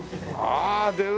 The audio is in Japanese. ああ！